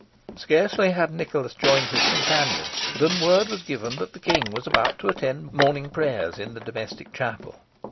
Scarcely had Nicholas joined his companions, than word was given that the king was about to attend morning prayers in the domestic chapel.